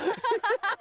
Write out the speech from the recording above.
ハハハ。